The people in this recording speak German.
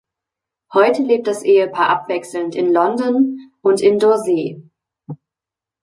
Heute lebt das Ehepaar abwechselnd in London und in Dorset.